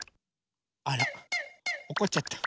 あらおこっちゃった。